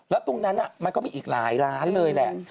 แล้วตรงนั้นมันก็มีอีกหลายร้านเลยแหละ